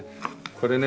これね。